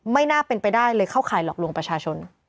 ไม่น่าเป็นไปได้เลยเข้าข่ายหลอกลวงประชาชน